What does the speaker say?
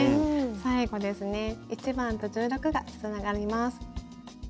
最後ですね１番と１６がつながります。